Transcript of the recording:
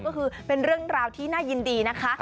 ก็คือเป็นเรื่องราวที่น่ายินดีนะคะ